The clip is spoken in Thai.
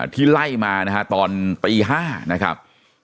ที่ไล่มานะฮะตอนตี๕นะครับ